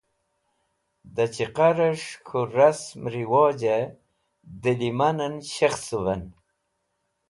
Dẽ chẽqares̃h k̃hũ rasẽm rewojẽ dẽ lemanẽn shekhsuvẽn.